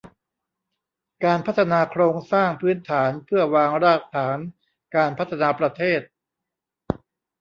การพัฒนาโครงสร้างพื้นฐานเพื่อวางรากฐานการพัฒนาประเทศ